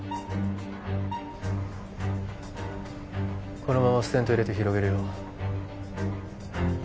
このままステント入れて広げるよ